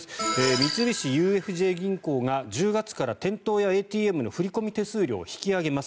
三菱ＵＦＪ銀行が１０月から店頭やＡＴＭの振込手数料を引き上げます。